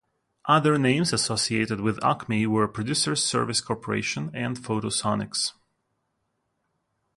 Other names associated with Acme were Producer's Service Corporation and Photo-Sonics.